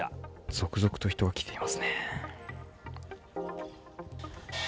続々と人が来ていますね。